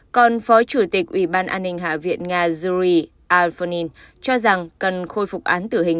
còn phó chủ tịch ủy ban an ninh hạ viện nga zyuri afonin cho rằng cần khôi phục án tử hình